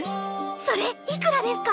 それいくらですか？